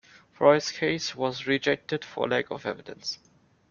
Floris's case was rejected for lack of evidence.